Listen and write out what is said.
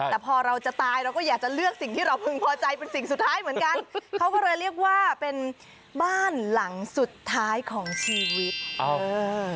แต่พอเราจะตายเราก็อยากจะเลือกสิ่งที่เราพึงพอใจเป็นสิ่งสุดท้ายเหมือนกันเขาก็เลยเรียกว่าเป็นบ้านหลังสุดท้ายของชีวิตเออ